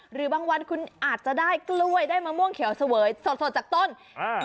หรือบางวันคุณอาจจะได้กล้วยได้มะม่วงเขียวเสวยสดสดจากต้นอ่า